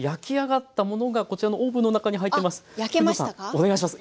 お願いします。